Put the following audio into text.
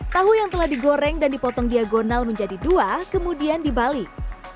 tahu yang telah digoreng dan dipotong diagonal menjadi dua kemudian dibalik